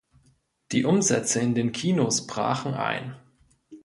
Die Umsätze in den Kinos brachen ein.